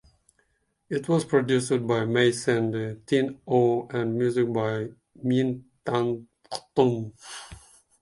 It was produced by May Sandi Tin Oo and music by Myint Than Htun.